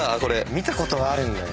見たことはあるんだよ。